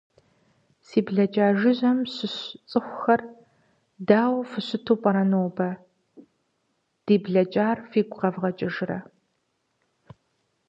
Си блакӏа жыжьэм щыщ цӏыхухэр, дау фыщыту пӏэрэ нобэ - ди блэкӏар фигу къэвгъэкӏыжырэ?